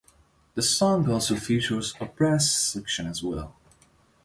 This song also features a brass section as well.